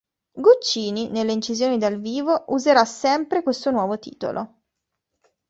Guccini, nelle incisioni dal vivo, userà sempre questo nuovo titolo.